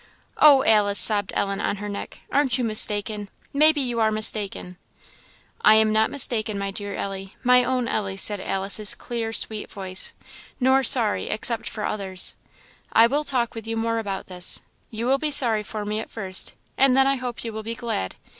"Oh! Alice," sobbed Ellen, on her neck, "aren't you mistaken? maybe you are mistaken!" "I am not mistaken, my dear Ellie my own Ellie," said Alice's clear, sweet voice; "nor sorry, except for others. I will talk with you more about this. You will be sorry for me at first, and then I hope you will be glad.